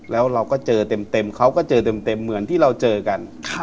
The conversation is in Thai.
แล้วเราก็เจอเต็มเขาก็เจอเต็มเหมือนที่เราเจอกัน